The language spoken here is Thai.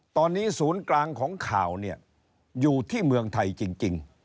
ตอนนี้ศูนย์กลางของข่าวเนี่ยอยู่ที่เมืองไทยจริง